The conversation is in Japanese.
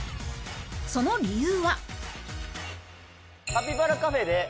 その理由は？